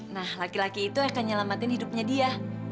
nah laki laki itu akan nyelamatin hidupnya dia